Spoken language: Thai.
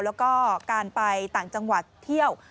แล้วก็การไปต่างจังหวัดเที่ยว